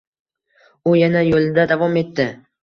U yana yoʻlida davom etdi